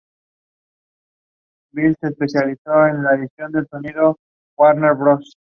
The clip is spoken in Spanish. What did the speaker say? Fundó "Los trinos del diablo" y "Doble sentido".